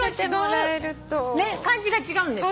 漢字が違うんですよ。